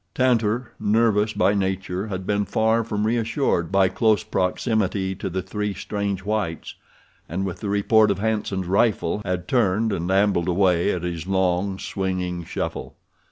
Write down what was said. Tantor, nervous by nature, had been far from reassured by close proximity to the three strange whites, and with the report of Hanson's rifle had turned and ambled away at his long, swinging shuffle.